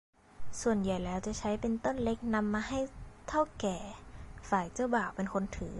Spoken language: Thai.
ส่วนใหญ่แล้วจะใช้เป็นต้นเล็กนำมาให้เถ้าแก่ฝ่ายเจ้าบ่าวเป็นคนถือ